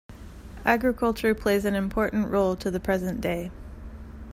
Agriculture plays an important role to the present day.